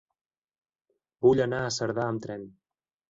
Vull anar a Cerdà amb tren.